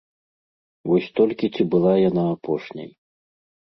Вось толькі ці была яна апошняй.